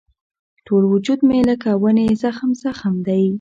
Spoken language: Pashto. ټول وجود مې لکه ونې زخم زخم دی.